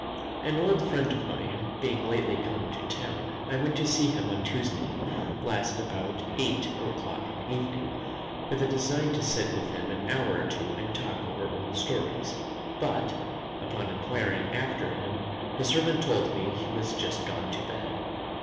An old friend of mine being lately come to town, I went to see him on Tuesday last about eight o'clock in the evening, with a design to sit with him an hour or two and talk over old stories; but, upon inquiring after him, his servant told me he was just gone to bed.